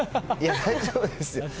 大丈夫ですよ。